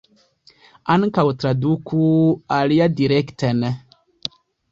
Ankaŭ traduku aliadirekten.